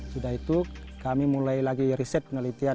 sudah itu kami mulai lagi riset penelitian